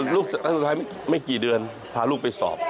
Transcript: ลูกสาวสุดท้านสุดท้ายไม่กี่เดือนพาลูกไปสอบ